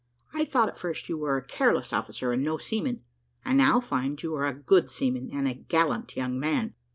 I thought at first you were a careless officer and no seaman: I now find you are a good seaman and a gallant young man.